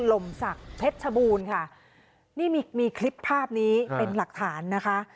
ลมศักดิ์เพชรชบูรณ์ค่ะนี่มีมีคลิปภาพนี้เป็นหลักฐานนะคะ